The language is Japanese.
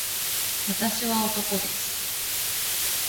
私は男です